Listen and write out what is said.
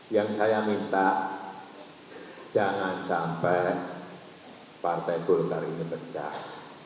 yang saya minta jangan sampai partai golkar ini pecah